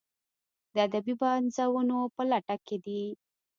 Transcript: د ادبي پنځونو په لټه کې دي.